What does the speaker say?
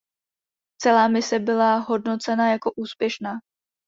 Celá mise byla hodnocena jako úspěšná..